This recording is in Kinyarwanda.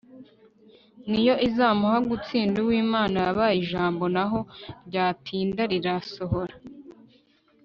niyo izamuha gutsinda uwimana yahay ijambo naho ryatinda rirasohora